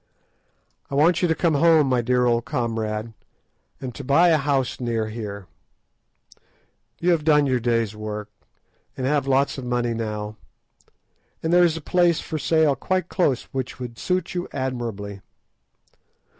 I want you to come home, my dear old comrade, and to buy a house near here. You have done your day's work, and have lots of money now, and there is a place for sale quite close which would suit you admirably.